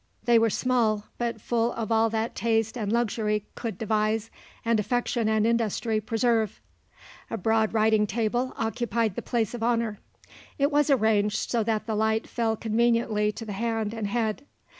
They were small, but full of all that taste and luxury could devise and affection and industry preserve. A broad writing table occupied the place of honour. It was arranged so that the light fell conveniently to the hand and head.